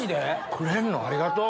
くれるのありがとう！